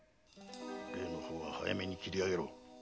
例の方は早め目に切り上げろ。